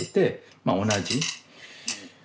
まあ同じ。